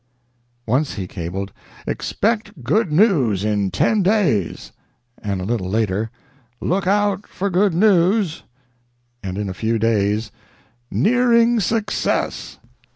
Once he cabled, "Expect good news in ten days"; and a little later, "Look out for good news"; and in a few days, "Nearing success."